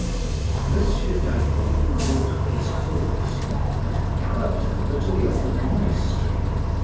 M. d'Albon called for his horse, and galloped over to the old monastery.